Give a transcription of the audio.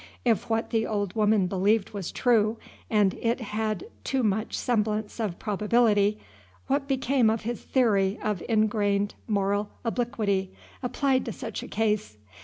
If what the old woman believed was true, and it had too much semblance of probability, what became of his theory of ingrained moral obliquity applied to such a case?